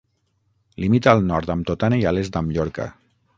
Limita al nord amb Totana i a l'est amb Llorca.